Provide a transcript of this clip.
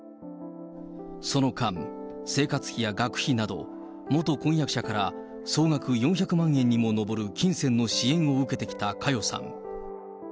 その間、生活費や学費など、元婚約者から総額４００万円にも上る金銭の支援を受けてきた佳代さん。